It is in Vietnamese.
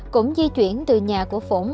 cũng di chuyển từ nhà của phủng